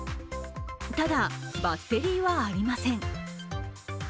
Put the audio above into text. ただ、バッテリーはありません。